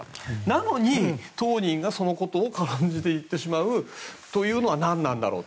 なのに当人がそのことを軽んじて言ってしまうというのはなんなんだろう。